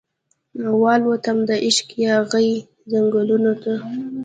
والوتم دعشق یاغې ځنګلونو ته